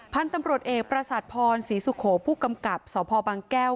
พันธุ์ตำรวจเอกประสาทพรศรีสุโขผู้กำกับสพบางแก้ว